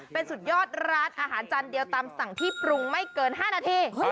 เป็นสุดยอดร้านอาหารจานเดียวตามสั่งที่ปรุงไม่เกิน๕นาที